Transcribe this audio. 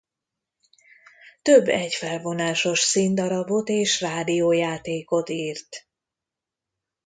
Több egyfelvonásos színdarabot és rádiójátékot írt.